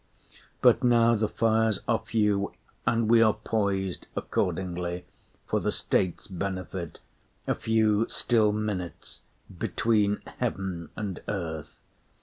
But now the fires are few, and we are poised Accordingly, for the state's benefit, A few still minutes between heaven and earth.